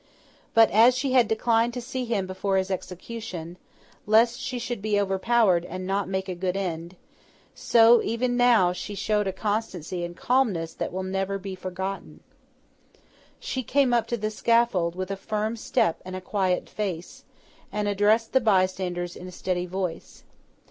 But, as she had declined to see him before his execution, lest she should be overpowered and not make a good end, so, she even now showed a constancy and calmness that will never be forgotten. She came up to the scaffold with a firm step and a quiet face, and addressed the bystanders in a steady voice.